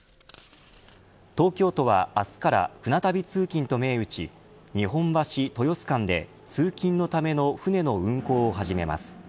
東京都は明日から舟旅通勤と銘打ち日本橋、豊洲間で通勤のための船の運航を始めます。